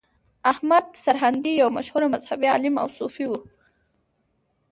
احمد سرهندي یو مشهور مذهبي عالم او صوفي و.